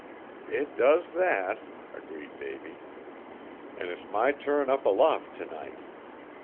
"It does that!" agreed Davy, "an' it's my turn up aloft t' night.